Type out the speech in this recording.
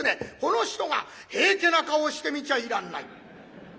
この人が平家な顔して見ちゃいらんない。